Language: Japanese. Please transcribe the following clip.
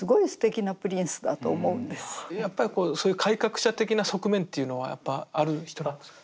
やっぱりそういう改革者的な側面っていうのはある人なんですか？